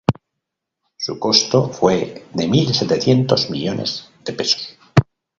Su costo fue de mil setecientos millones de pesos.